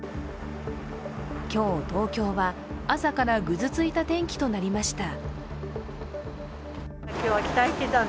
今日、東京は朝からぐずついた天気となりました。